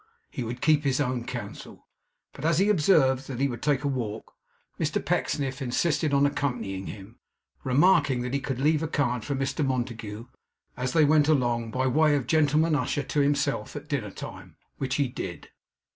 He would keep his own counsel.' But as he observed that he would take a walk, Mr Pecksniff insisted on accompanying him, remarking that he could leave a card for Mr Montague, as they went along, by way of gentleman usher to himself at dinner time. Which he did.